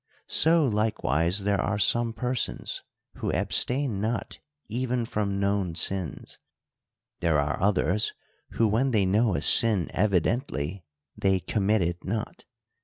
So likewise there are some persons, who abstain not even from known sins : there are others, who when they know a sin evidently, they commit it not.